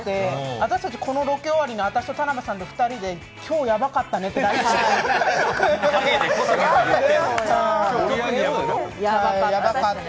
私たちこのロケ終わりに私と田辺さんの２人で「今日やばかったね」ってＬＩＮＥしてました。